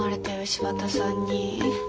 柴田さんに。